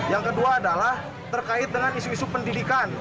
yang kedua adalah terkait dengan isu isu pendidikan